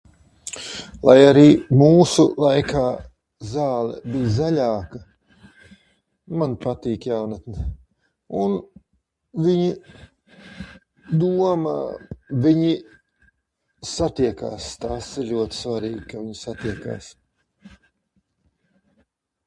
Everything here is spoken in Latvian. Lai arī mūsu laikā zāle bij zaļāka, man patīk jaunatne. Un viņi domā, viņi satiekās, tas ir ļoti svarīgi, ka viņi satiekās.